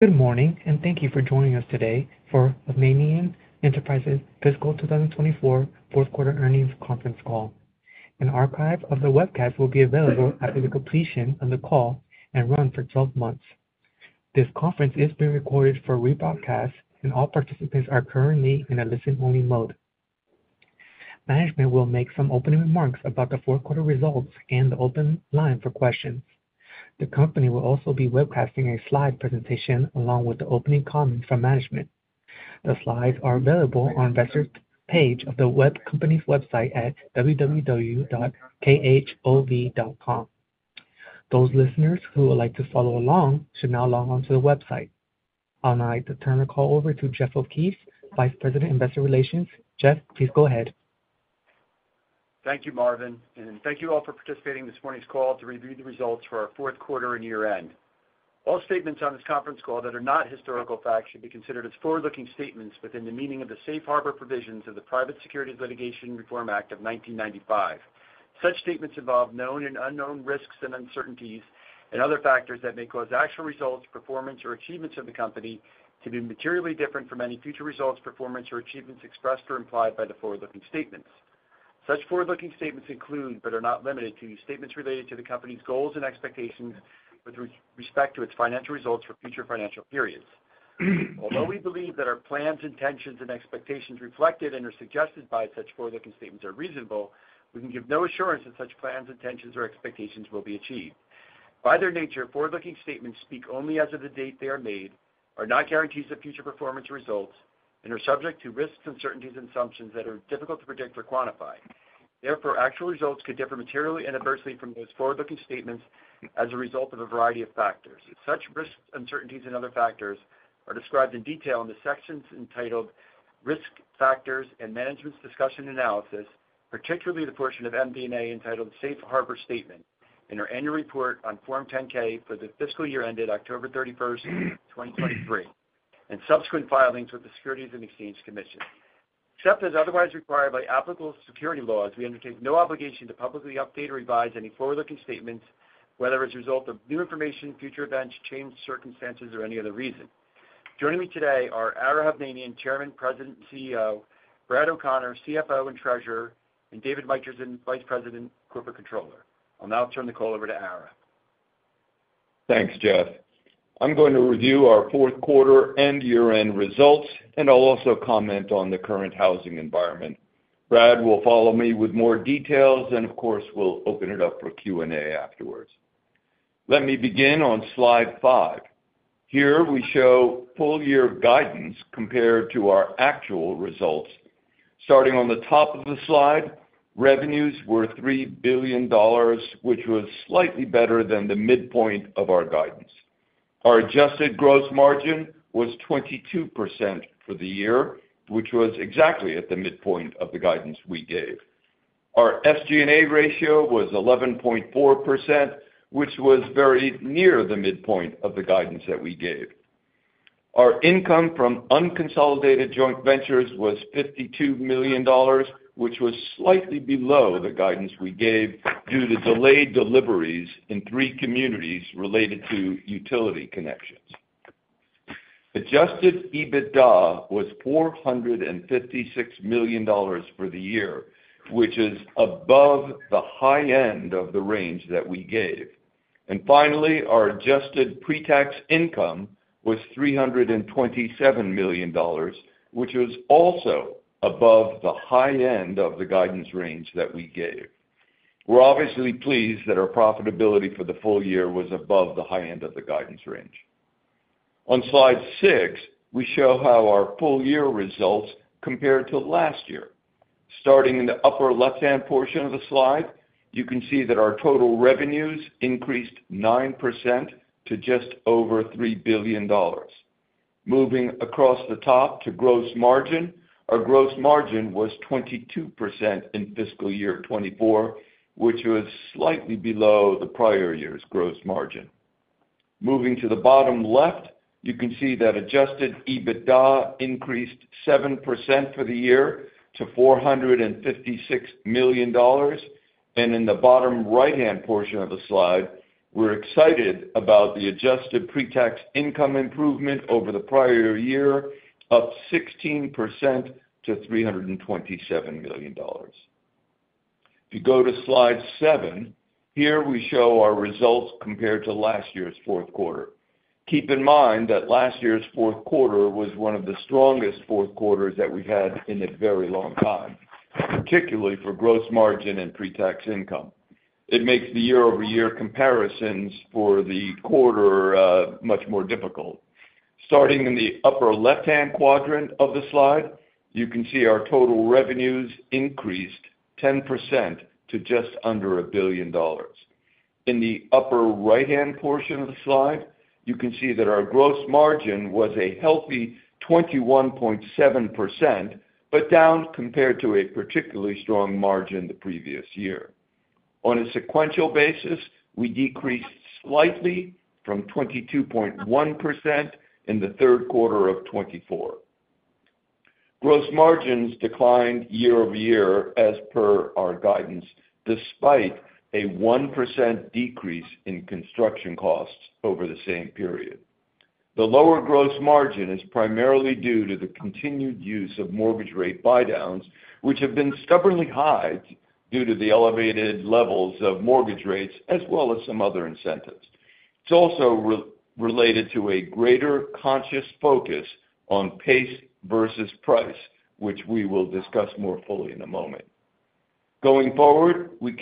Good morning, and thank you for joining us today for the Hovnanian Enterprises Fiscal 2024 Fourth Quarter Earnings Conference Call. An archive of the webcast will be available after the completion of the call and run for 12 months. This conference is being recorded for rebroadcast, and all participants are currently in a listen-only mode. Management will make some opening remarks about the fourth quarter results and then open the line for questions. The company will also be webcasting a slide presentation along with the opening comments from management. The slides are available on the investors' page of the company's website at www.khov.com. Those listeners who would like to follow along should now log onto the website. I would now like to turn the call over to Jeff O'Keefe, Vice President, Investor Relations. Jeff, please go ahead. Thank you, Marvin, and thank you all for participating in this morning's call to review the results for our fourth quarter and year-end. All statements on this conference call that are not historical facts should be considered as forward-looking statements within the meaning of the safe harbor provisions of the Private Securities Litigation Reform Act of 1995. Such statements involve known and unknown risks and uncertainties and other factors that may cause actual results, performance, or achievements of the company to be materially different from any future results, performance, or achievements expressed or implied by the forward-looking statements. Such forward-looking statements include, but are not limited to, statements related to the company's goals and expectations with respect to its financial results for future financial periods. Although we believe that our plans, intentions, and expectations reflected and are suggested by such forward-looking statements are reasonable, we can give no assurance that such plans, intentions, or expectations will be achieved. By their nature, forward-looking statements speak only as of the date they are made, are not guarantees of future performance results, and are subject to risks, uncertainties, and assumptions that are difficult to predict or quantify. Therefore, actual results could differ materially and adversely from those forward-looking statements as a result of a variety of factors. Such risks, uncertainties, and other factors are described in detail in the sections entitled Risk Factors and Management's Discussion and Analysis, particularly the portion of MD&A entitled Safe Harbor Statement and our annual report on Form 10-K for the fiscal year ended October 31st, 2023, and subsequent filings with the Securities and Exchange Commission. Except as otherwise required by applicable security laws, we undertake no obligation to publicly update or revise any forward-looking statements, whether as a result of new information, future events, changed circumstances, or any other reason. Joining me today are Ara Hovnanian, Chairman, President, and CEO, Brad O'Connor, CFO and Treasurer, and David Mitrisin, Vice President, Corporate Controller. I'll now turn the call over to Ara. Thanks, Jeff. I'm going to review our fourth quarter and year-end results, and I'll also comment on the current housing environment. Brad will follow me with more details and, of course, we'll open it up for Q&A afterwards. Let me begin on slide five. Here we show full-year guidance compared to our actual results. Starting on the top of the slide, revenues were $3 billion, which was slightly better than the midpoint of our guidance. Our adjusted gross margin was 22% for the year, which was exactly at the midpoint of the guidance we gave. Our SG&A ratio was 11.4%, which was very near the midpoint of the guidance that we gave. Our income from unconsolidated joint ventures was $52 million, which was slightly below the guidance we gave due to delayed deliveries in three communities related to utility connections. Adjusted EBITDA was $456 million for the year, which is above the high end of the range that we gave, and finally, our adjusted pre-tax income was $327 million, which was also above the high end of the guidance range that we gave. We're obviously pleased that our profitability for the full year was above the high end of the guidance range. On slide six, we show how our full-year results compared to last year. Starting in the upper left-hand portion of the slide, you can see that our total revenues increased 9% to just over $3 billion. Moving across the top to gross margin, our gross margin was 22% in fiscal year 2024, which was slightly below the prior year's gross margin. Moving to the bottom left, you can see that adjusted EBITDA increased 7% for the year to $456 million. And in the bottom right-hand portion of the slide, we're excited about the adjusted pre-tax income improvement over the prior year, up 16% to $327 million. If you go to slide seven, here we show our results compared to last year's fourth quarter. Keep in mind that last year's fourth quarter was one of the strongest fourth quarters that we've had in a very long time, particularly for gross margin and pre-tax income. It makes the year-over-year comparisons for the quarter much more difficult. Starting in the upper left-hand quadrant of the slide, you can see our total revenues increased 10% to just under $1 billion. In the upper right-hand portion of the slide, you can see that our gross margin was a healthy 21.7%, but down compared to a particularly strong margin the previous year. On a sequential basis, we decreased slightly from 22.1% in the third quarter of 2024. Gross margins declined year-over-year as per our guidance, despite a 1% decrease in construction costs over the same period. The lower gross margin is primarily due to the continued use of mortgage rate buy-downs, which have been stubbornly high due to the elevated levels of mortgage rates, as well as some other incentives. It's also related to a greater conscious focus on pace versus price, which we will discuss more fully in a moment. Going forward, we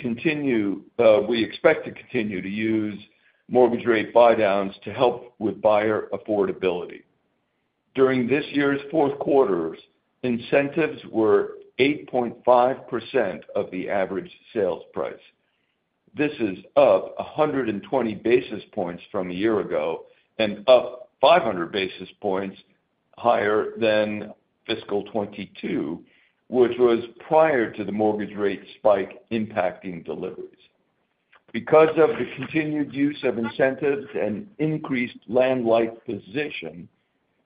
expect to continue to use mortgage rate buy-downs to help with buyer affordability. During this year's fourth quarters, incentives were 8.5% of the average sales price. This is up 120 basis points from a year ago and up 500 basis points higher than fiscal 2022, which was prior to the mortgage rate spike impacting deliveries. Because of the continued use of incentives and increased land light position,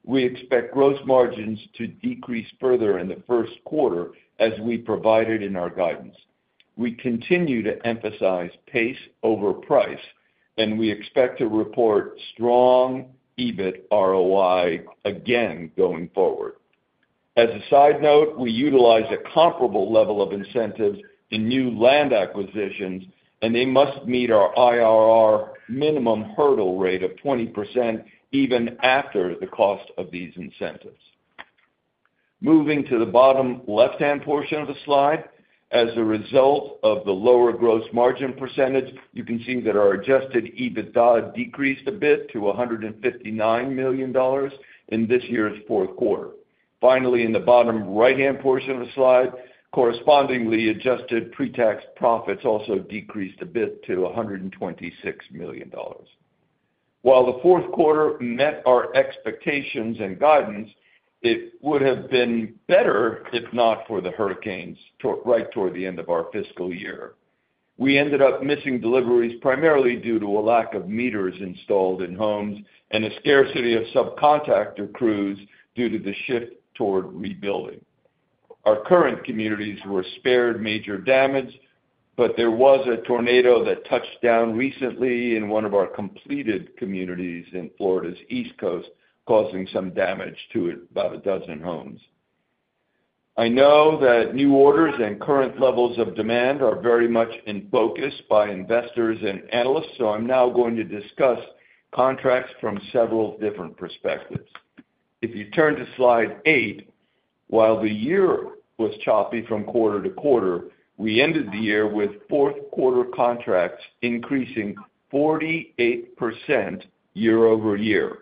we expect gross margins to decrease further in the first quarter, as we provided in our guidance. We continue to emphasize pace over price, and we expect to report strong EBIT ROI again going forward. As a side note, we utilize a comparable level of incentives in new land acquisitions, and they must meet our IRR minimum hurdle rate of 20% even after the cost of these incentives. Moving to the bottom left-hand portion of the slide, as a result of the lower gross margin percentage, you can see that our Adjusted EBITDA decreased a bit to $159 million in this year's fourth quarter. Finally, in the bottom right-hand portion of the slide, correspondingly adjusted pre-tax profits also decreased a bit to $126 million. While the fourth quarter met our expectations and guidance, it would have been better if not for the hurricanes right toward the end of our fiscal year. We ended up missing deliveries primarily due to a lack of meters installed in homes and a scarcity of subcontractor crews due to the shift toward rebuilding. Our current communities were spared major damage, but there was a tornado that touched down recently in one of our completed communities in Florida's East Coast, causing some damage to about a dozen homes. I know that new orders and current levels of demand are very much in focus by investors and analysts, so I'm now going to discuss contracts from several different perspectives. If you turn to slide eight, while the year was choppy from quarter to quarter, we ended the year with fourth quarter contracts increasing 48% year-over-year.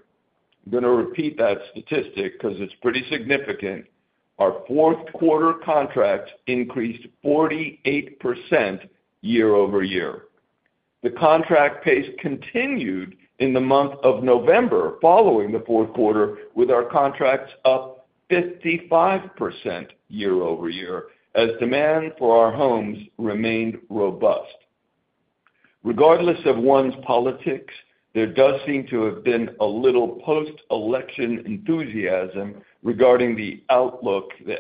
I'm going to repeat that statistic because it's pretty significant. Our fourth quarter contracts increased 48% year-over-year. The contract pace continued in the month of November following the fourth quarter, with our contracts up 55% year-over-year as demand for our homes remained robust. Regardless of one's politics, there does seem to have been a little post-election enthusiasm regarding the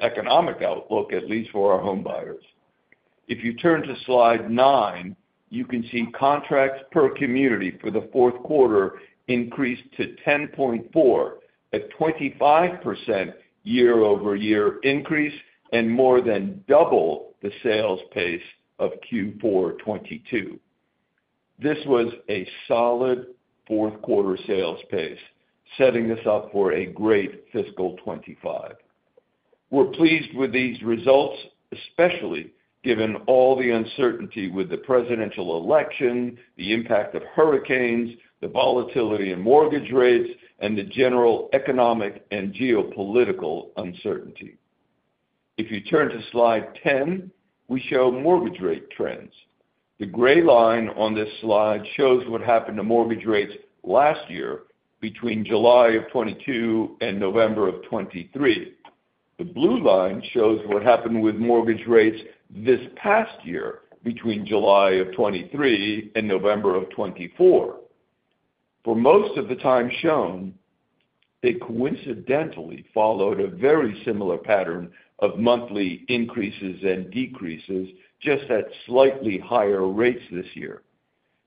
economic outlook, at least for our homebuyers. If you turn to slide nine, you can see contracts per community for the fourth quarter increased to 10.4%, a 25% year-over-year increase, and more than double the sales pace of Q4 2022. This was a solid fourth quarter sales pace, setting us up for a great fiscal 2025. We're pleased with these results, especially given all the uncertainty with the presidential election, the impact of hurricanes, the volatility in mortgage rates, and the general economic and geopolitical uncertainty. If you turn to slide 10, we show mortgage rate trends. The gray line on this slide shows what happened to mortgage rates last year between July of 2022 and November of 2023. The blue line shows what happened with mortgage rates this past year between July of 2023 and November of 2024. For most of the time shown, they coincidentally followed a very similar pattern of monthly increases and decreases, just at slightly higher rates this year.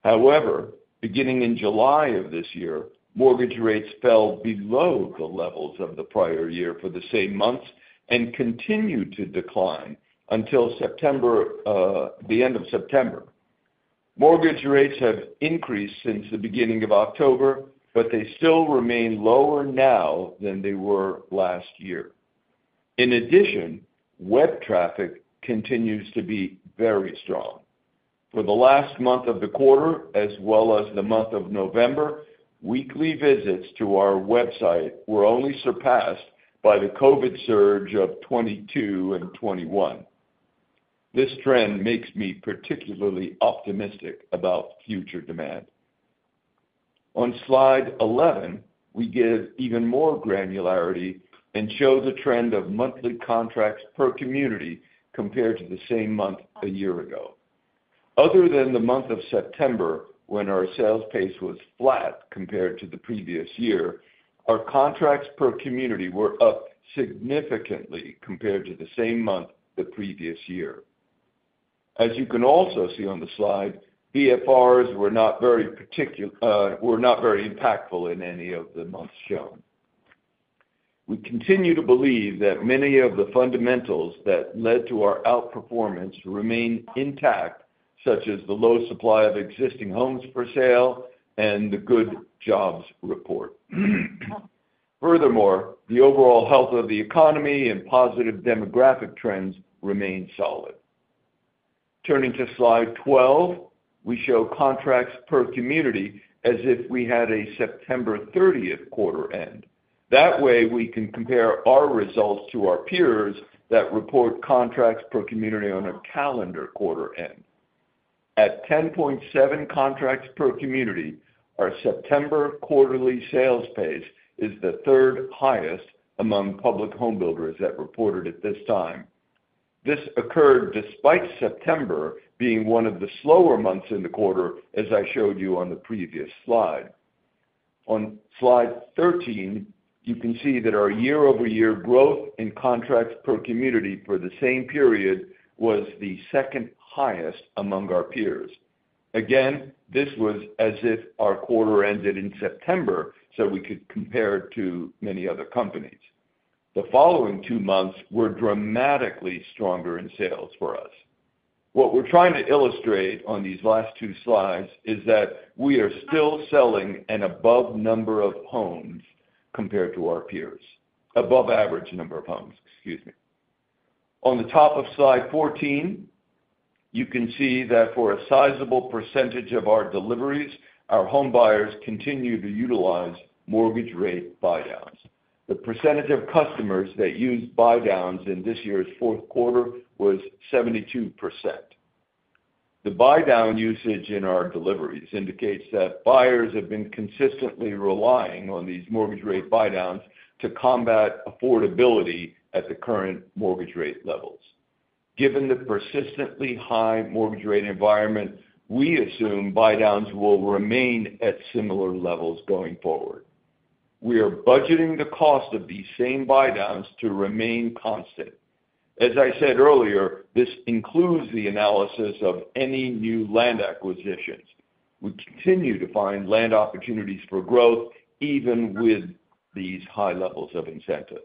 However, beginning in July of this year, mortgage rates fell below the levels of the prior year for the same months and continued to decline until the end of September. Mortgage rates have increased since the beginning of October, but they still remain lower now than they were last year. In addition, web traffic continues to be very strong. For the last month of the quarter, as well as the month of November, weekly visits to our website were only surpassed by the COVID surge of 2022 and 2021. This trend makes me particularly optimistic about future demand. On slide 11, we give even more granularity and show the trend of monthly contracts per community compared to the same month a year ago. Other than the month of September, when our sales pace was flat compared to the previous year, our contracts per community were up significantly compared to the same month the previous year. As you can also see on the slide, BFRs were not very impactful in any of the months shown. We continue to believe that many of the fundamentals that led to our outperformance remain intact, such as the low supply of existing homes for sale and the good jobs report. Furthermore, the overall health of the economy and positive demographic trends remain solid. Turning to slide 12, we show contracts per community as if we had a September 30th quarter end. That way, we can compare our results to our peers that report contracts per community on a calendar quarter end. At 10.7 contracts per community, our September quarterly sales pace is the third highest among public homebuilders that reported at this time. This occurred despite September being one of the slower months in the quarter, as I showed you on the previous slide. On slide 13, you can see that our year-over-year growth in contracts per community for the same period was the second highest among our peers. Again, this was as if our quarter ended in September, so we could compare to many other companies. The following two months were dramatically stronger in sales for us. What we're trying to illustrate on these last two slides is that we are still selling an above number of homes compared to our peers, above average number of homes, excuse me. On the top of slide 14, you can see that for a sizable percentage of our deliveries, our homebuyers continue to utilize mortgage rate buy-downs. The percentage of customers that used buy-downs in this year's fourth quarter was 72%. The buy-down usage in our deliveries indicates that buyers have been consistently relying on these mortgage rate buy-downs to combat affordability at the current mortgage rate levels. Given the persistently high mortgage rate environment, we assume buy-downs will remain at similar levels going forward. We are budgeting the cost of these same buy-downs to remain constant. As I said earlier, this includes the analysis of any new land acquisitions. We continue to find land opportunities for growth even with these high levels of incentives.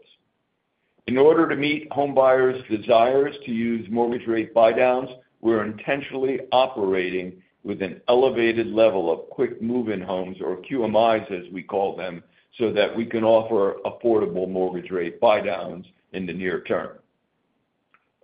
In order to meet homebuyers' desires to use mortgage rate buy-downs, we're intentionally operating with an elevated level of quick move-in homes, or QMIs, as we call them, so that we can offer affordable mortgage rate buy-downs in the near term.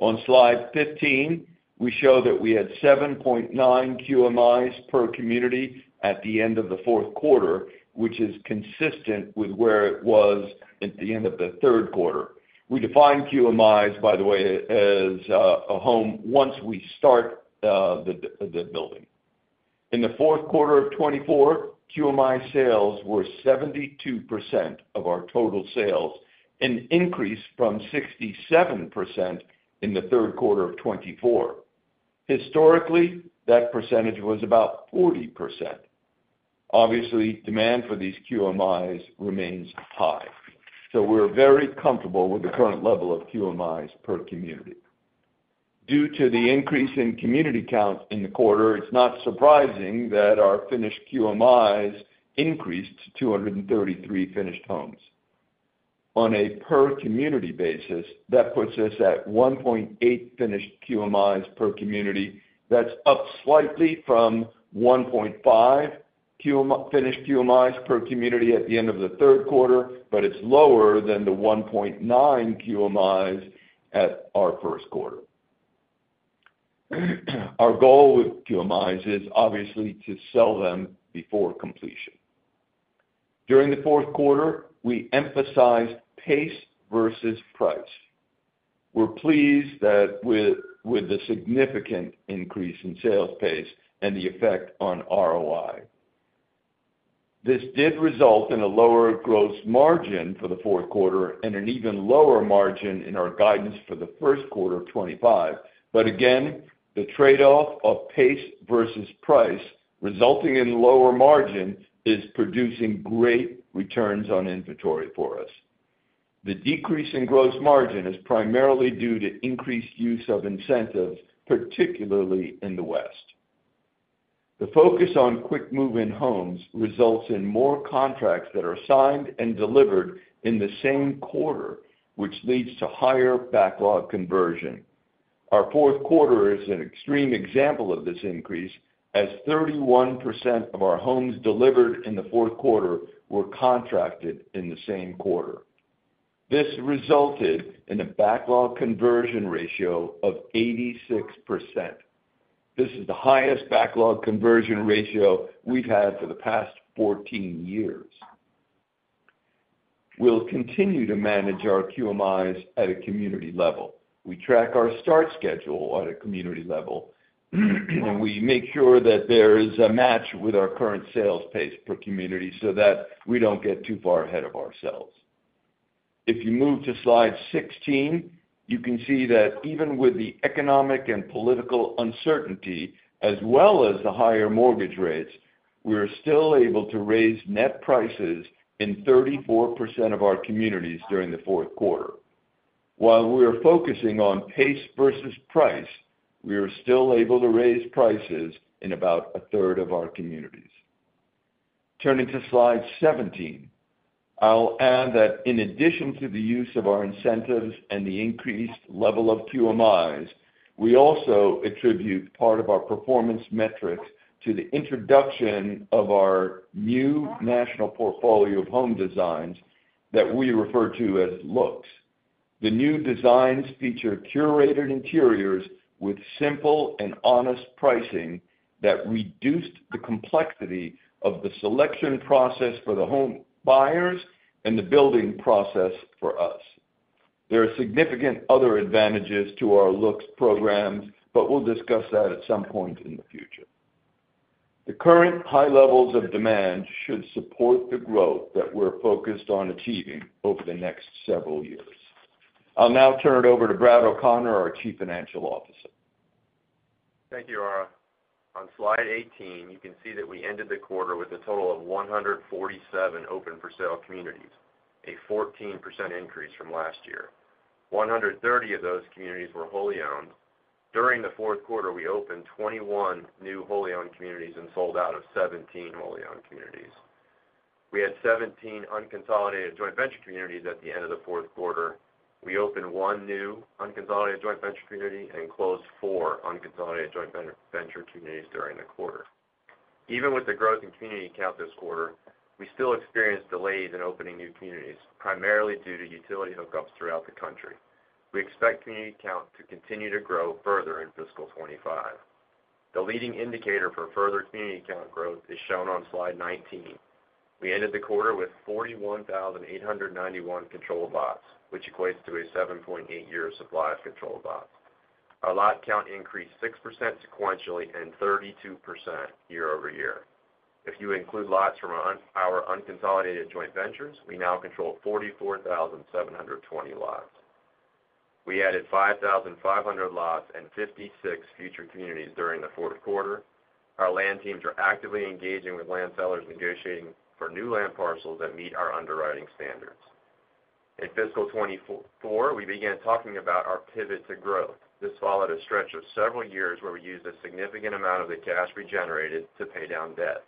On slide 15, we show that we had 7.9 QMIs per community at the end of the fourth quarter, which is consistent with where it was at the end of the third quarter. We define QMIs, by the way, as a home once we start the building. In the fourth quarter of 2024, QMI sales were 72% of our total sales, an increase from 67% in the third quarter of 2024. Historically, that percentage was about 40%. Obviously, demand for these QMIs remains high, so we're very comfortable with the current level of QMIs per community. Due to the increase in community count in the quarter, it's not surprising that our finished QMIs increased to 233 finished homes. On a per-community basis, that puts us at 1.8 finished QMIs per community. That's up slightly from 1.5 finished QMIs per community at the end of the third quarter, but it's lower than the 1.9 QMIs at our first quarter. Our goal with QMIs is, obviously, to sell them before completion. During the fourth quarter, we emphasized pace versus price. We're pleased with the significant increase in sales pace and the effect on ROI. This did result in a lower gross margin for the fourth quarter and an even lower margin in our guidance for the first quarter of 2025. But again, the trade-off of pace versus price resulting in lower margin is producing great returns on inventory for us. The decrease in gross margin is primarily due to increased use of incentives, particularly in the West. The focus on quick move-in homes results in more contracts that are signed and delivered in the same quarter, which leads to higher backlog conversion. Our fourth quarter is an extreme example of this increase, as 31% of our homes delivered in the fourth quarter were contracted in the same quarter. This resulted in a backlog conversion ratio of 86%. This is the highest backlog conversion ratio we've had for the past 14 years. We'll continue to manage our QMIs at a community level. We track our start schedule at a community level, and we make sure that there is a match with our current sales pace per community so that we don't get too far ahead of ourselves. If you move to slide 16, you can see that even with the economic and political uncertainty, as well as the higher mortgage rates, we're still able to raise net prices in 34% of our communities during the fourth quarter. While we're focusing on pace versus price, we are still able to raise prices in about a third of our communities. Turning to slide 17, I'll add that in addition to the use of our incentives and the increased level of QMIs, we also attribute part of our performance metrics to the introduction of our new national portfolio of home designs that we refer to as Looks. The new designs feature curated interiors with simple and honest pricing that reduced the complexity of the selection process for the homebuyers and the building process for us. There are significant other advantages to our Looks programs, but we'll discuss that at some point in the future. The current high levels of demand should support the growth that we're focused on achieving over the next several years. I'll now turn it over to Brad O'Connor, our Chief Financial Officer. Thank you, Ara. On slide 18, you can see that we ended the quarter with a total of 147 open-for-sale communities, a 14% increase from last year. 130 of those communities were wholly owned. During the fourth quarter, we opened 21 new wholly owned communities and sold out of 17 wholly owned communities. We had 17 unconsolidated joint venture communities at the end of the fourth quarter. We opened one new unconsolidated joint venture community and closed four unconsolidated joint venture communities during the quarter. Even with the growth in community count this quarter, we still experienced delays in opening new communities, primarily due to utility hookups throughout the country. We expect community count to continue to grow further in fiscal 2025. The leading indicator for further community count growth is shown on slide 19. We ended the quarter with 41,891 controlled lots, which equates to a 7.8-year supply of controlled lots. Our lot count increased 6% sequentially and 32% year-over-year. If you include lots from our unconsolidated joint ventures, we now control 44,720 lots. We added 5,500 lots and 56 future communities during the fourth quarter. Our land teams are actively engaging with land sellers, negotiating for new land parcels that meet our underwriting standards. In fiscal 2024, we began talking about our pivot to growth. This followed a stretch of several years where we used a significant amount of the cash we generated to pay down debt.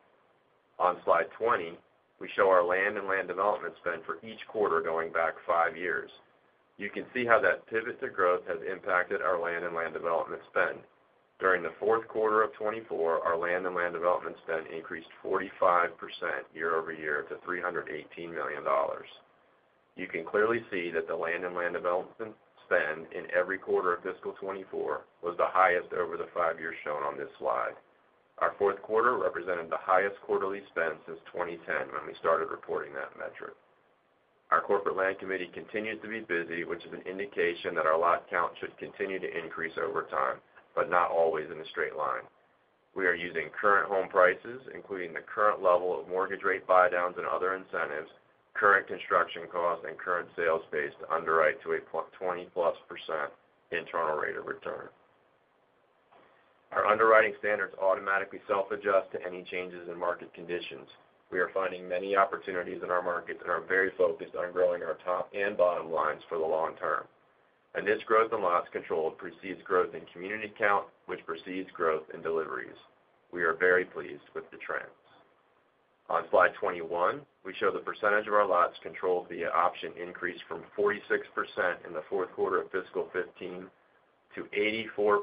On slide 20, we show our land and land development spend for each quarter going back five years. You can see how that pivot to growth has impacted our land and land development spend. During the fourth quarter of 2024, our land and land development spend increased 45% year-over-year to $318 million. You can clearly see that the land and land development spend in every quarter of fiscal 2024 was the highest over the five years shown on this slide. Our fourth quarter represented the highest quarterly spend since 2010 when we started reporting that metric. Our corporate land committee continues to be busy, which is an indication that our lot count should continue to increase over time, but not always in a straight line. We are using current home prices, including the current level of mortgage rate buy-downs and other incentives, current construction costs, and current sales pace to underwrite to a 20+% internal rate of return. Our underwriting standards automatically self-adjust to any changes in market conditions. We are finding many opportunities in our markets and are very focused on growing our top and bottom lines for the long term, and this growth in lots controlled precedes growth in community count, which precedes growth in deliveries. We are very pleased with the trends. On slide 21, we show the percentage of our lots controlled via option increased from 46% in the fourth quarter of fiscal 2015 to 84%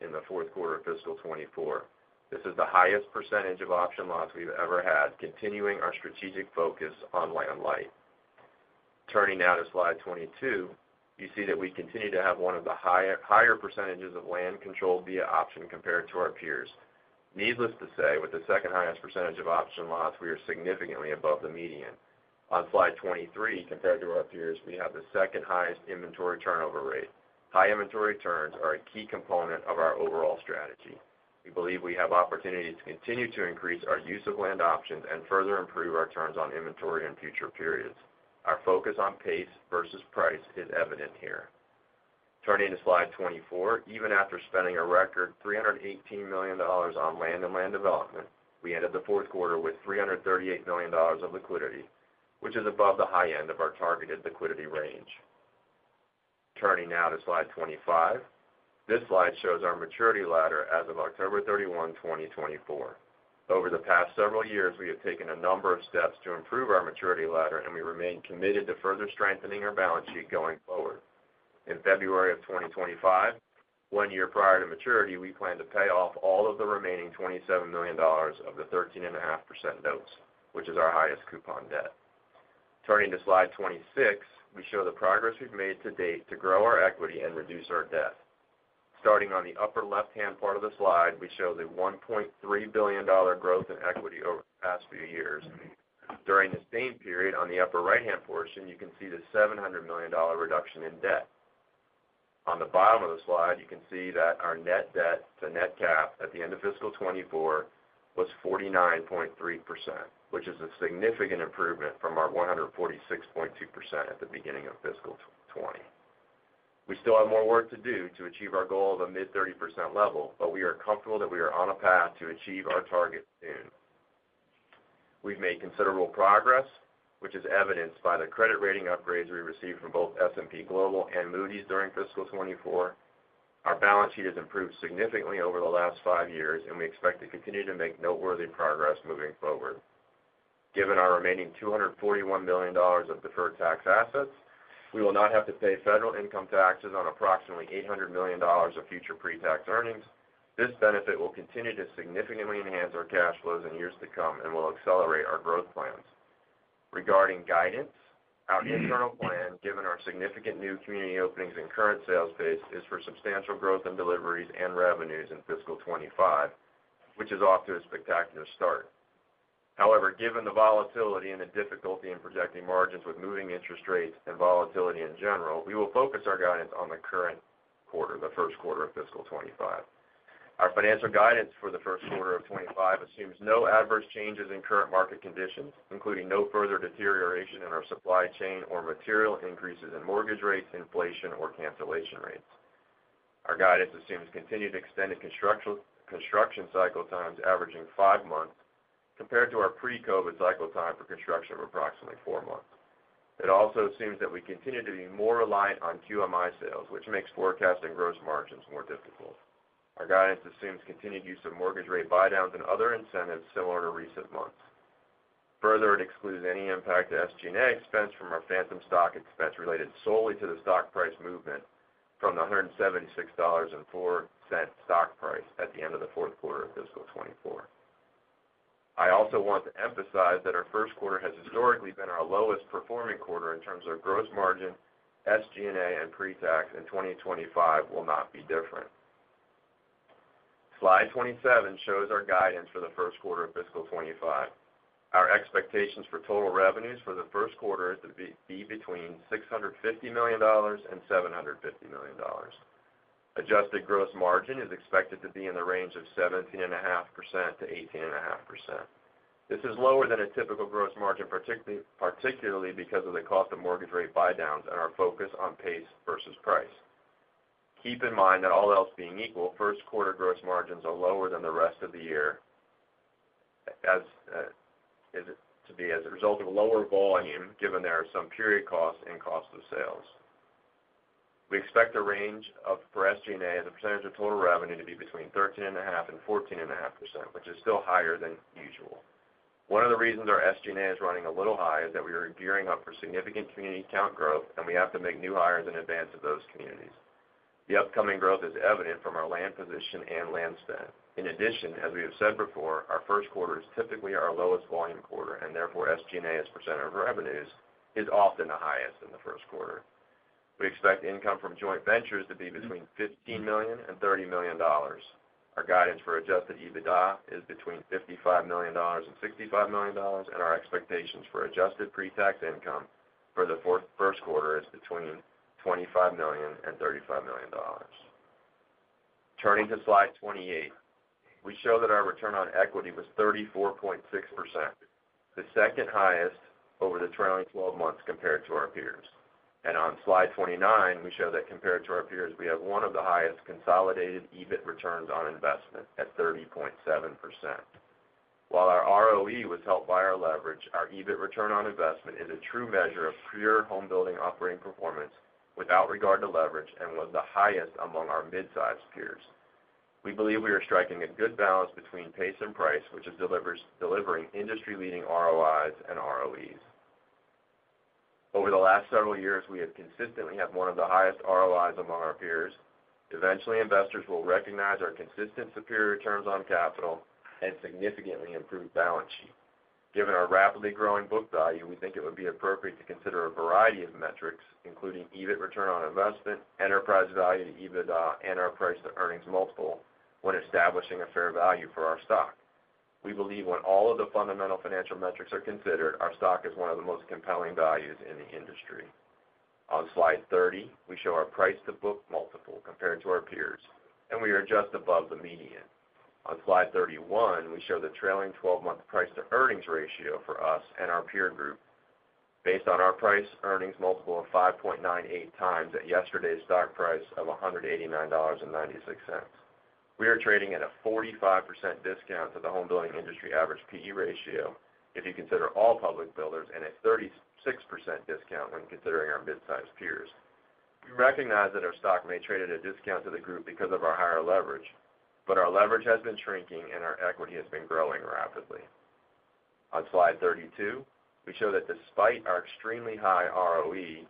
in the fourth quarter of fiscal 2024. This is the highest percentage of option lots we've ever had, continuing our strategic focus on Land Light. Turning now to slide 22, you see that we continue to have one of the higher percentages of land controlled via option compared to our peers. Needless to say, with the second highest percentage of option lots, we are significantly above the median. On slide 23, compared to our peers, we have the second highest inventory turnover rate. High inventory turns are a key component of our overall strategy. We believe we have opportunities to continue to increase our use of land options and further improve our turns on inventory in future periods. Our focus on pace versus price is evident here. Turning to slide 24, even after spending a record $318 million on land and land development, we ended the fourth quarter with $338 million of liquidity, which is above the high end of our targeted liquidity range. Turning now to slide 25, this slide shows our maturity ladder as of October 31, 2024. Over the past several years, we have taken a number of steps to improve our maturity ladder, and we remain committed to further strengthening our balance sheet going forward. In February of 2025, one year prior to maturity, we plan to pay off all of the remaining $27 million of the 13.5% notes, which is our highest coupon debt. Turning to slide 26, we show the progress we've made to date to grow our equity and reduce our debt. Starting on the upper left-hand part of the slide, we show the $1.3 billion growth in equity over the past few years. During the same period, on the upper right-hand portion, you can see the $700 million reduction in debt. On the bottom of the slide, you can see that our net debt to net cap at the end of fiscal 2024 was 49.3%, which is a significant improvement from our 146.2% at the beginning of fiscal 2020. We still have more work to do to achieve our goal of a mid-30% level, but we are comfortable that we are on a path to achieve our target soon. We've made considerable progress, which is evidenced by the credit rating upgrades we received from both S&P Global and Moody's during fiscal 2024. Our balance sheet has improved significantly over the last five years, and we expect to continue to make noteworthy progress moving forward. Given our remaining $241 million of deferred tax assets, we will not have to pay federal income taxes on approximately $800 million of future pre-tax earnings. This benefit will continue to significantly enhance our cash flows in years to come and will accelerate our growth plans. Regarding guidance, our internal plan, given our significant new community openings and current sales pace, is for substantial growth in deliveries and revenues in fiscal 2025, which is off to a spectacular start. However, given the volatility and the difficulty in projecting margins with moving interest rates and volatility in general, we will focus our guidance on the current quarter, the first quarter of fiscal 2025. Our financial guidance for the first quarter of 2025 assumes no adverse changes in current market conditions, including no further deterioration in our supply chain or material increases in mortgage rates, inflation, or cancellation rates. Our guidance assumes continued extended construction cycle times averaging five months compared to our pre-COVID cycle time for construction of approximately four months. It also assumes that we continue to be more reliant on QMI sales, which makes forecasting gross margins more difficult. Our guidance assumes continued use of mortgage rate buy-downs and other incentives similar to recent months. Further, it excludes any impact to SG&A expense from our phantom stock expense related solely to the stock price movement from the $176.04 stock price at the end of the fourth quarter of fiscal 2024. I also want to emphasize that our first quarter has historically been our lowest performing quarter in terms of gross margin. SG&A and pre-tax in 2025 will not be different. Slide 27 shows our guidance for the first quarter of fiscal 2025. Our expectations for total revenues for the first quarter are to be between $650 million and $750 million. Adjusted gross margin is expected to be in the range of 17.5% to 18.5%. This is lower than a typical gross margin, particularly because of the cost of mortgage rate buy-downs and our focus on pace versus price. Keep in mind that all else being equal, first quarter gross margins are lower than the rest of the year as it is to be as a result of lower volume given there are some period costs and cost of sales. We expect the range for SG&A and the percentage of total revenue to be between 13.5% and 14.5%, which is still higher than usual. One of the reasons our SG&A is running a little high is that we are gearing up for significant community count growth, and we have to make new hires in advance of those communities. The upcoming growth is evident from our land position and land spend. In addition, as we have said before, our first quarter is typically our lowest volume quarter, and therefore SG&A's percent of revenues is often the highest in the first quarter. We expect income from joint ventures to be between $15 million and $30 million. Our guidance for adjusted EBITDA is between $55 million and $65 million, and our expectations for adjusted pre-tax income for the first quarter is between $25 million and $35 million. Turning to slide 28, we show that our return on equity was 34.6%, the second highest over the trailing 12 months compared to our peers. On slide 29, we show that compared to our peers, we have one of the highest consolidated EBIT returns on investment at 30.7%. While our ROE was helped by our leverage, our EBIT Return on Investment is a true measure of pure home building operating performance without regard to leverage and was the highest among our mid-sized peers. We believe we are striking a good balance between pace and price, which is delivering industry-leading ROIs and ROEs. Over the last several years, we have consistently had one of the highest ROIs among our peers. Eventually, investors will recognize our consistent superior returns on capital and significantly improved balance sheet. Given our rapidly growing book value, we think it would be appropriate to consider a variety of metrics, including EBIT Return on Investment, Enterprise Value to EBITDA, and our price-to-earnings multiple when establishing a fair value for our stock. We believe when all of the fundamental financial metrics are considered, our stock is one of the most compelling values in the industry. On slide 30, we show our price-to-book multiple compared to our peers, and we are just above the median. On slide 31, we show the trailing 12-month price-to-earnings ratio for us and our peer group based on our price-earnings multiple of 5.98 times at yesterday's stock price of $189.96. We are trading at a 45% discount to the home building industry average PE ratio if you consider all public builders and a 36% discount when considering our mid-sized peers. We recognize that our stock may trade at a discount to the group because of our higher leverage, but our leverage has been shrinking and our equity has been growing rapidly. On slide 32, we show that despite our extremely high ROE,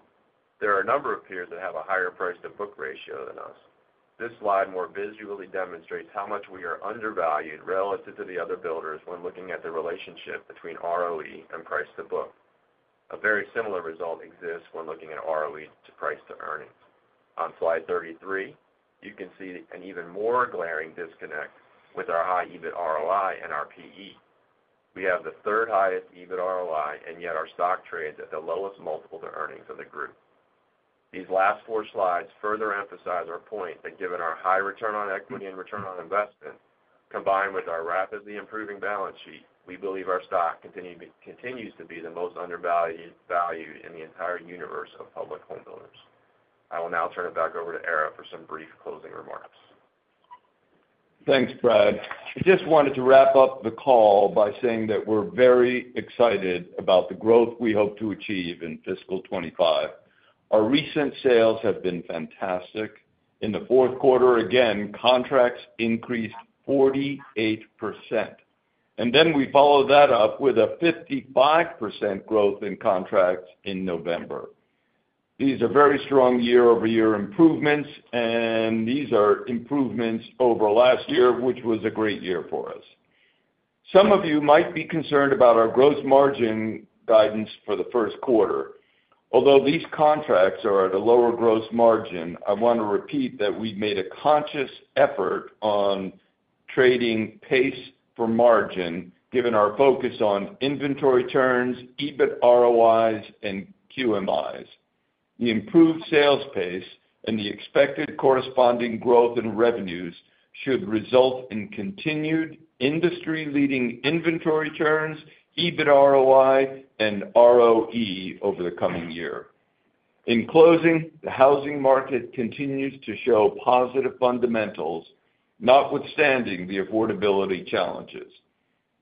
there are a number of peers that have a higher price-to-book ratio than us. This slide more visually demonstrates how much we are undervalued relative to the other builders when looking at the relationship between ROE and price to book. A very similar result exists when looking at ROE to price to earnings. On slide 33, you can see an even more glaring disconnect with our high EBIT ROI and our PE. We have the third highest EBIT ROI, and yet our stock trades at the lowest multiple to earnings of the group. These last four slides further emphasize our point that given our high return on equity and return on investment, combined with our rapidly improving balance sheet, we believe our stock continues to be the most undervalued in the entire universe of public home builders. I will now turn it back over to Ara for some brief closing remarks. Thanks, Brad. I just wanted to wrap up the call by saying that we're very excited about the growth we hope to achieve in fiscal 2025. Our recent sales have been fantastic. In the fourth quarter, again, contracts increased 48%. And then we follow that up with a 55% growth in contracts in November. These are very strong year-over-year improvements, and these are improvements over last year, which was a great year for us. Some of you might be concerned about our gross margin guidance for the first quarter. Although these contracts are at a lower gross margin, I want to repeat that we've made a conscious effort on trading pace for margin given our focus on inventory turns, EBIT ROIs, and QMIs. The improved sales pace and the expected corresponding growth in revenues should result in continued industry-leading inventory turns, EBIT ROI, and ROE over the coming year. In closing, the housing market continues to show positive fundamentals, notwithstanding the affordability challenges.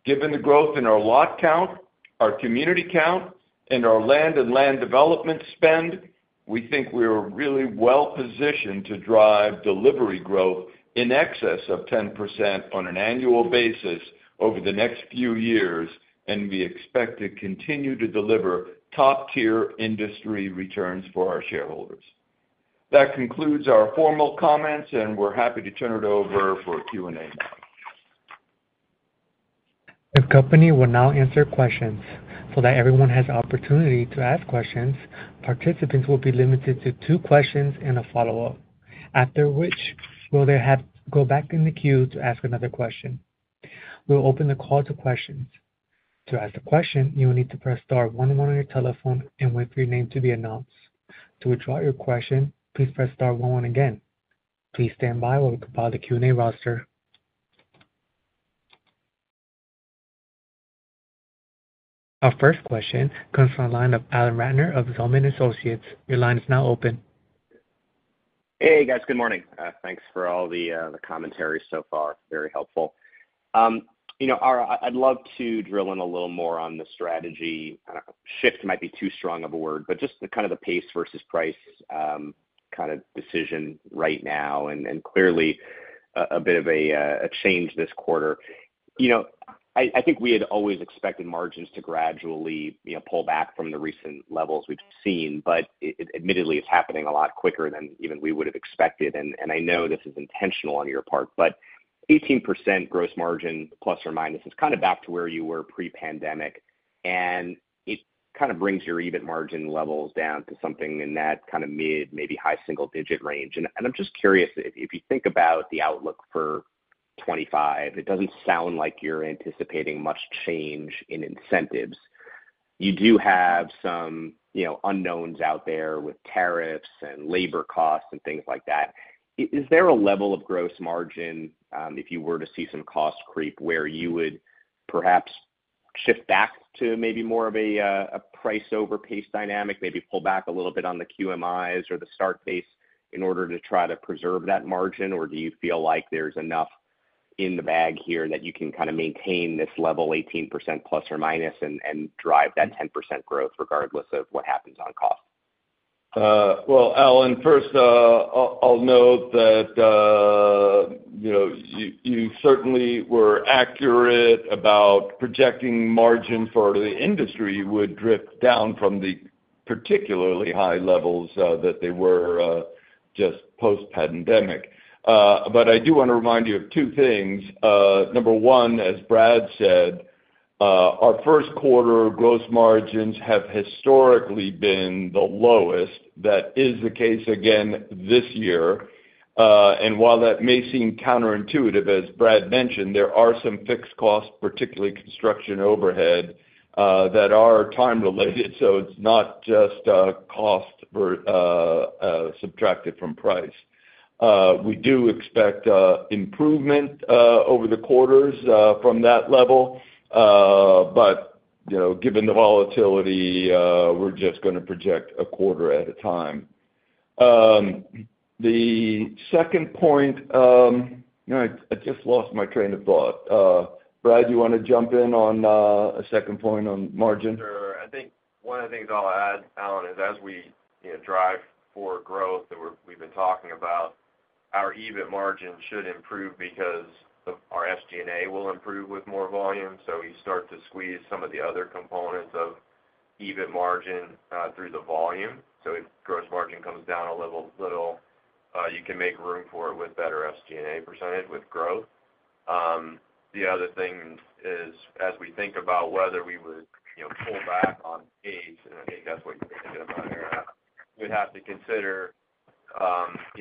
Given the growth in our lot count, our community count, and our land and land development spend, we think we are really well positioned to drive delivery growth in excess of 10% on an annual basis over the next few years, and we expect to continue to deliver top-tier industry returns for our shareholders. That concludes our formal comments, and we're happy to turn it over for Q&A now. The company will now answer questions. So that everyone has the opportunity to ask questions, participants will be limited to two questions and a follow-up, after which they will go back in the queue to ask another question. We will open the call to questions. To ask a question, you will need to press star 11 on your telephone and wait for your name to be announced. To withdraw your question, please press star 11 again. Please stand by while we compile the Q&A roster. Our first question comes from the line of Alan Ratner of Zelman & Associates. Your line is now open. Hey, guys. Good morning. Thanks for all the commentary so far. Very helpful. I'd love to drill in a little more on the strategy. Shift might be too strong of a word, but just kind of the pace versus price kind of decision right now and clearly a bit of a change this quarter. I think we had always expected margins to gradually pull back from the recent levels we've seen, but admittedly, it's happening a lot quicker than even we would have expected, and I know this is intentional on your part, but 18% gross margin plus or minus is kind of back to where you were pre-pandemic, and it kind of brings your EBIT margin levels down to something in that kind of mid, maybe high single-digit range. I'm just curious. If you think about the outlook for 2025, it doesn't sound like you're anticipating much change in incentives. You do have some unknowns out there with tariffs and labor costs and things like that. Is there a level of gross margin, if you were to see some cost creep, where you would perhaps shift back to maybe more of a price over pace dynamic, maybe pull back a little bit on the QMIs or the start pace in order to try to preserve that margin, or do you feel like there's enough in the bag here that you can kind of maintain this level 18% plus or minus and drive that 10% growth regardless of what happens on cost? Well, Alan, first, I'll note that you certainly were accurate about projecting margin for the industry would drift down from the particularly high levels that they were just post-pandemic. But I do want to remind you of two things. Number one, as Brad said, our first quarter gross margins have historically been the lowest. That is the case again this year. And while that may seem counterintuitive, as Brad mentioned, there are some fixed costs, particularly construction overhead, that are time-related. So it's not just cost subtracted from price. We do expect improvement over the quarters from that level, but given the volatility, we're just going to project a quarter at a time. The second point, I just lost my train of thought. Brad, do you want to jump in on a second point on margin? Sure. I think one of the things I'll add, Alan, is as we drive for growth that we've been talking about, our EBIT margin should improve because our SG&A will improve with more volume. So you start to squeeze some of the other components of EBIT margin through the volume. So if gross margin comes down a little, you can make room for it with better SG&A percentage with growth. The other thing is, as we think about whether we would pull back on pace, and I think that's what you're thinking about here, we'd have to consider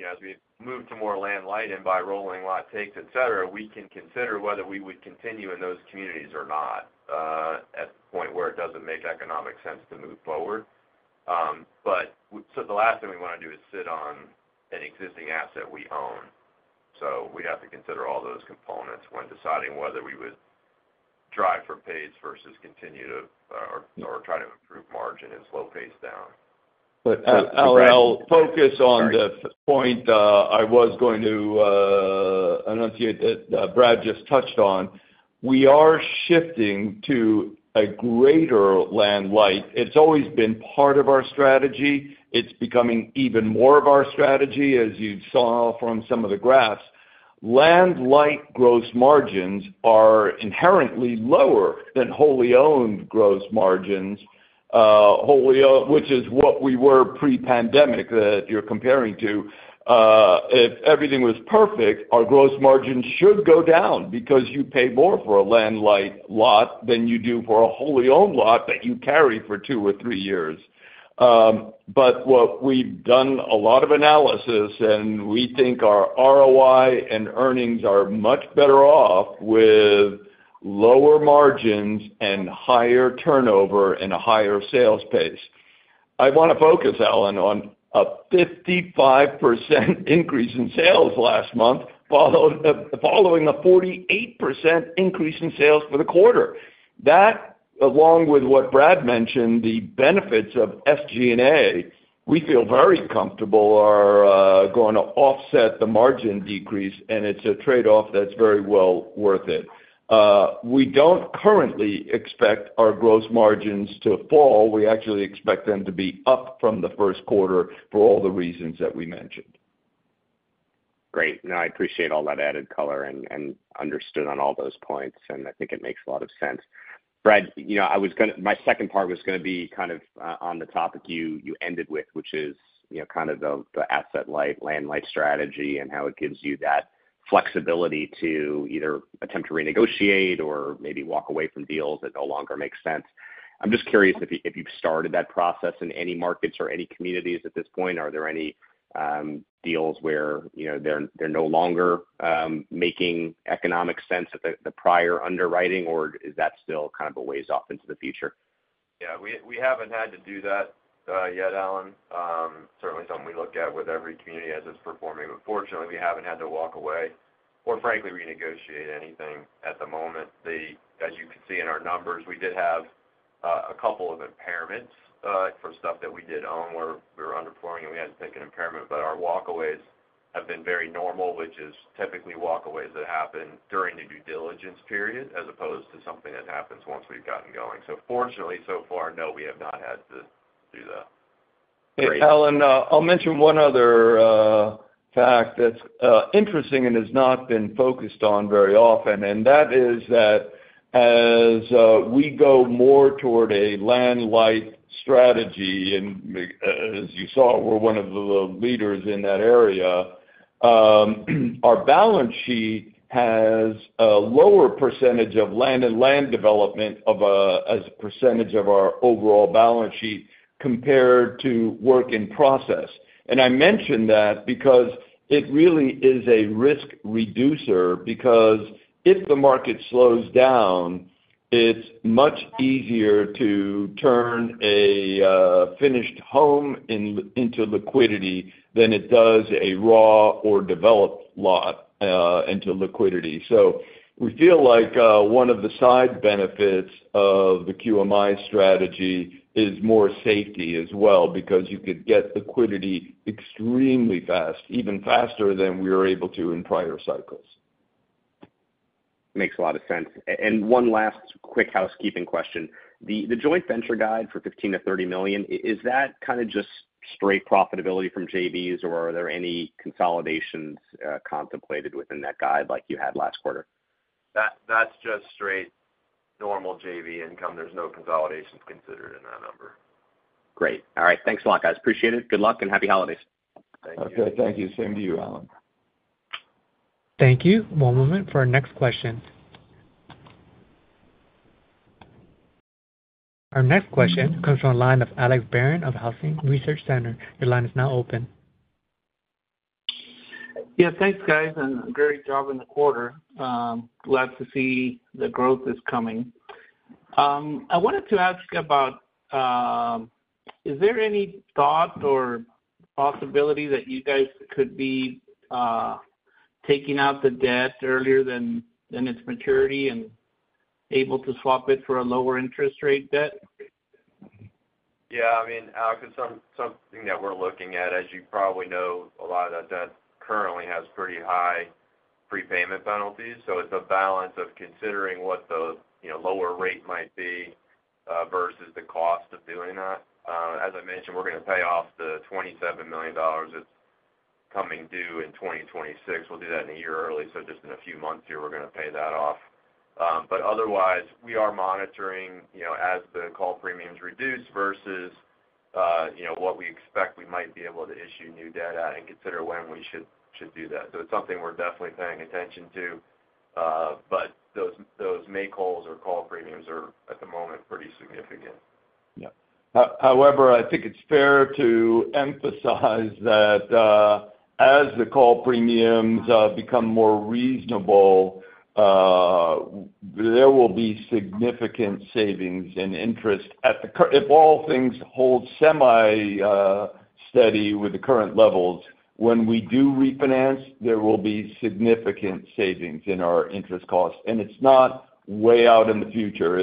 as we move to more land light and by rolling lot takes, etc., we can consider whether we would continue in those communities or not at the point where it doesn't make economic sense to move forward. But so the last thing we want to do is sit on an existing asset we own. So we have to consider all those components when deciding whether we would drive for pace versus continue to or try to improve margin and slow pace down. But Alan, I'll focus on the point I was going to enunciate that Brad just touched on. We are shifting to a greater Land Light. It's always been part of our strategy. It's becoming even more of our strategy, as you saw from some of the graphs. Land Light gross margins are inherently lower than wholly owned gross margins, which is what we were pre-pandemic that you're comparing to. If everything was perfect, our gross margin should go down because you pay more for a Land Light lot than you do for a wholly owned lot that you carry for two or three years. But we've done a lot of analysis, and we think our ROI and earnings are much better off with lower margins and higher turnover and a higher sales pace. I want to focus, Alan, on a 55% increase in sales last month following a 48% increase in sales for the quarter. That, along with what Brad mentioned, the benefits of SG&A, we feel very comfortable are going to offset the margin decrease, and it's a trade-off that's very well worth it. We don't currently expect our gross margins to fall. We actually expect them to be up from the first quarter for all the reasons that we mentioned. Great. No, I appreciate all that added color and understood on all those points, and I think it makes a lot of sense. Brad, my second part was going to be kind of on the topic you ended with, which is kind of the asset light, Land Light strategy, and how it gives you that flexibility to either attempt to renegotiate or maybe walk away from deals that no longer make sense. I'm just curious if you've started that process in any markets or any communities at this point. Are there any deals where they're no longer making economic sense at the prior underwriting, or is that still kind of a ways off into the future? Yeah. We haven't had to do that yet, Alan. Certainly, something we look at with every community as it's performing. But fortunately, we haven't had to walk away or frankly renegotiate anything at the moment. As you can see in our numbers, we did have a couple of impairments for stuff that we did own where we were underperforming, and we had to take an impairment. But our walkaways have been very normal, which is typically walkaways that happen during the due diligence period as opposed to something that happens once we've gotten going. So fortunately, so far, no, we have not had to do that. Hey, Alan, I'll mention one other fact that's interesting and has not been focused on very often, and that is that as we go more toward a land light strategy, and as you saw, we're one of the leaders in that area, our balance sheet has a lower percentage of land and land development as a percentage of our overall balance sheet compared to work in process. And I mention that because it really is a risk reducer because if the market slows down, it's much easier to turn a finished home into liquidity than it does a raw or developed lot into liquidity. So we feel like one of the side benefits of the QMI strategy is more safety as well because you could get liquidity extremely fast, even faster than we were able to in prior cycles. Makes a lot of sense. And one last quick housekeeping question. The joint venture guide for $15 million-$30 million, is that kind of just straight profitability from JVs, or are there any consolidations contemplated within that guide like you had last quarter? That's just straight normal JV income. There's no consolidations considered in that number. Great. All right. Thanks a lot, guys. Appreciate it. Good luck and happy holidays. Thank you. Okay. Thank you. Same to you, Alan. Thank you. One moment for our next question. Our next question comes from a line of Alex Barron of Housing Research Center. Your line is now open. Yeah. Thanks, guys. And great job in the quarter. Glad to see the growth is coming. I wanted to ask about, is there any thought or possibility that you guys could be taking out the debt earlier than its maturity and able to swap it for a lower interest rate debt? Yeah. I mean, something that we're looking at, as you probably know, a lot of that debt currently has pretty high prepayment penalties. So it's a balance of considering what the lower rate might be versus the cost of doing that. As I mentioned, we're going to pay off the $27 million that's coming due in 2026. We'll do that in a year early. So just in a few months here, we're going to pay that off. But otherwise, we are monitoring as the call premiums reduce versus what we expect we might be able to issue new debt at and consider when we should do that. So it's something we're definitely paying attention to. But those make-whole or call premiums are at the moment pretty significant. Yeah. However, I think it's fair to emphasize that as the call premiums become more reasonable, there will be significant savings in interest if all things hold semi-steady with the current levels. When we do refinance, there will be significant savings in our interest costs. And it's not way out in the future.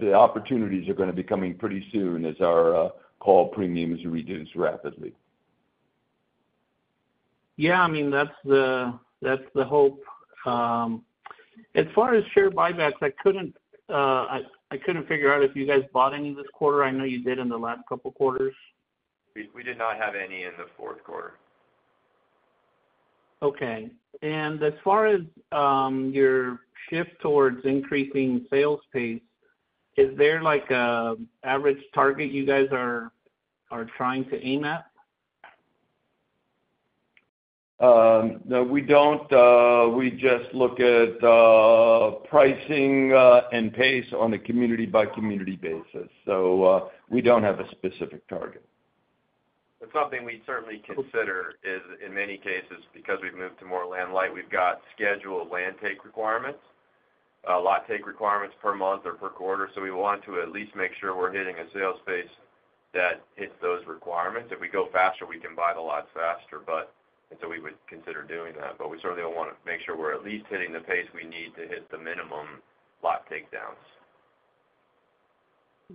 The opportunities are going to be coming pretty soon as our call premiums reduce rapidly. Yeah. I mean, that's the hope. As far as share buybacks, I couldn't figure out if you guys bought any this quarter. I know you did in the last couple of quarters. We did not have any in the fourth quarter. Okay, and as far as your shift towards increasing sales pace, is there an average target you guys are trying to aim at? No, we don't. We just look at pricing and pace on a community-by-community basis. So we don't have a specific target. It's something we certainly consider in many cases because we've moved to more land light. We've got scheduled land take requirements, lot take requirements per month or per quarter, so we want to at least make sure we're hitting a sales pace that hits those requirements. If we go faster, we can buy the lots faster, and so we would consider doing that, but we certainly want to make sure we're at least hitting the pace we need to hit the minimum lot take downs.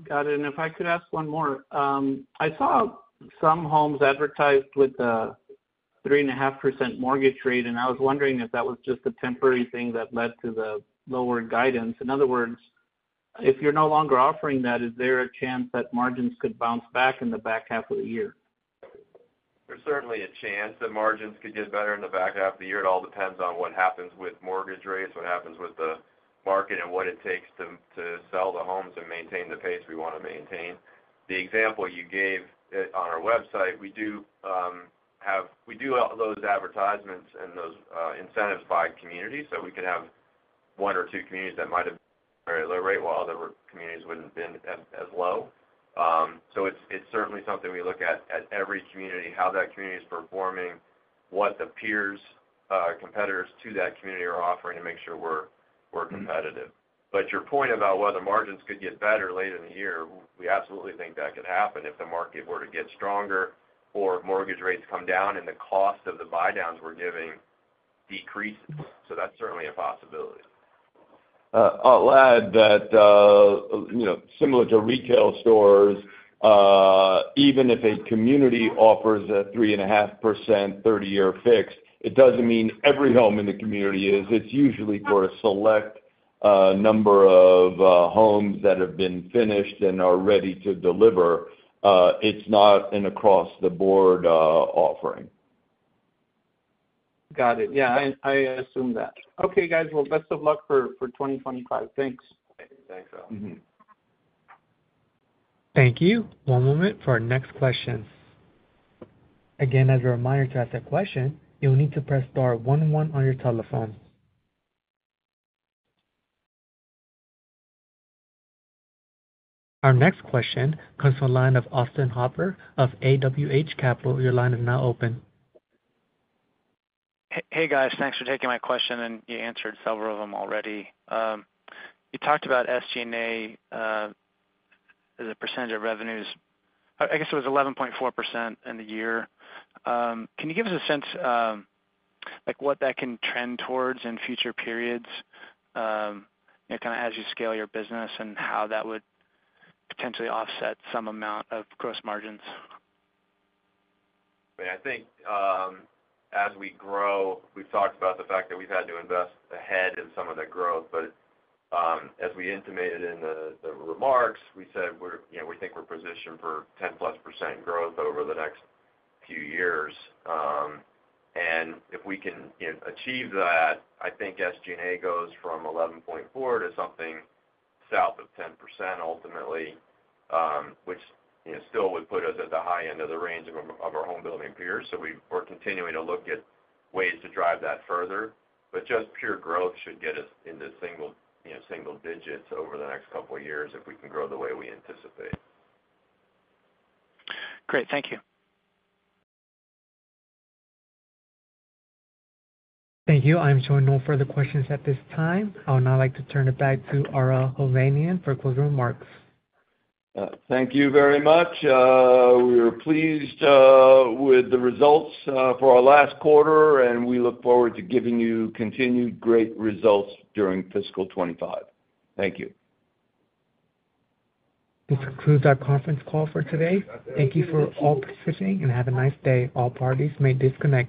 Got it. And if I could ask one more, I saw some homes advertised with a 3.5% mortgage rate, and I was wondering if that was just a temporary thing that led to the lower guidance. In other words, if you're no longer offering that, is there a chance that margins could bounce back in the back half of the year? There's certainly a chance that margins could get better in the back half of the year. It all depends on what happens with mortgage rates, what happens with the market, and what it takes to sell the homes and maintain the pace we want to maintain. The example you gave on our website, we do have those advertisements and those incentives by communities. So we could have one or two communities that might have been at a very low rate while other communities wouldn't have been as low. So it's certainly something we look at every community, how that community is performing, what the peers, competitors to that community are offering to make sure we're competitive. But your point about whether margins could get better later in the year, we absolutely think that could happen if the market were to get stronger or mortgage rates come down and the cost of the buy-downs we're giving decreases. So that's certainly a possibility. I'll add that similar to retail stores, even if a community offers a 3.5% 30-year fixed, it doesn't mean every home in the community is. It's usually for a select number of homes that have been finished and are ready to deliver. It's not an across-the-board offering. Got it. Yeah. I assume that. Okay, guys. Well, best of luck for 2025. Thanks. Thanks, Alex. Thank you. One moment for our next question. Again, as a reminder to ask a question, you'll need to press star 11 on your telephone. Our next question comes from a line of Austin Hopper of AWH Capital. Your line is now open. Hey, guys. Thanks for taking my question, and you answered several of them already. You talked about SG&A as a percentage of revenues. I guess it was 11.4% in the year. Can you give us a sense of what that can trend towards in future periods, kind of as you scale your business, and how that would potentially offset some amount of gross margins? I mean, I think as we grow, we've talked about the fact that we've had to invest ahead in some of the growth. But as we intimated in the remarks, we said we think we're positioned for 10-plus% growth over the next few years. And if we can achieve that, I think SG&A goes from 11.4% to something south of 10% ultimately, which still would put us at the high end of the range of our home-building peers. So we're continuing to look at ways to drive that further. But just pure growth should get us into single digits over the next couple of years if we can grow the way we anticipate. Great. Thank you. Thank you. I'm showing no further questions at this time. I would now like to turn it back to Ara Hovnanian for closing remarks. Thank you very much. We are pleased with the results for our last quarter, and we look forward to giving you continued great results during fiscal 2025. Thank you. This concludes our conference call for today. Thank you for all participating, and have a nice day. All parties may disconnect.